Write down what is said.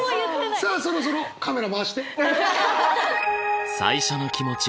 さあそろそろカメラ回して。